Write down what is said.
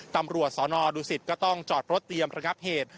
ตำรวจสนดูสิตก็ต้องจอดรถเตรียมระงับเหตุ